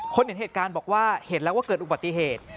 เห็นเหตุการณ์บอกว่าเห็นแล้วว่าเกิดอุบัติเหตุ